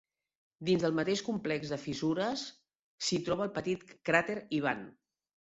Dins del mateix complex de fissures s'hi troba el petit cràter Ivan.